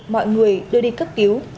mọi người đưa đi cấp cứu